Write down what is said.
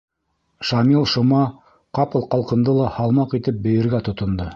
Шамил-Шома ҡапыл ҡалҡынды ла һалмаҡ итеп бейергә тотондо.